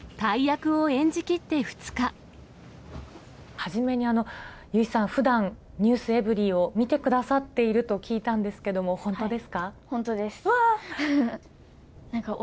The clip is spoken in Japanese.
初めに由依さん、ふだん、ｎｅｗｓｅｖｅｒｙ．を見てくださっていると聞いたんですけど本当です。